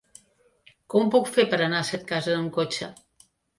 Com ho puc fer per anar a Setcases amb cotxe?